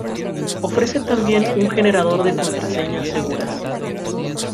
ofrece también un generador de contraseñas seguras